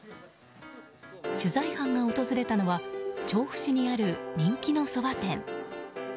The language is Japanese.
取材班が訪れたのは調布市にある、人気のそば店。